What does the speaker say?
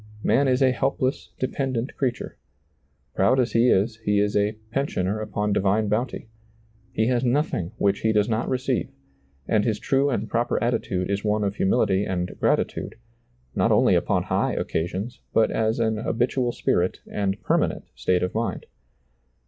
Man is a helpless, de pendent creature; proud as he is, he is a pen sioner upon divine bounty ; he has nothing which he does not receive; and his true and proper attitude is one of humility and gratitude, not only upon high occasions, but as an habitual spirit and permanent state of mind.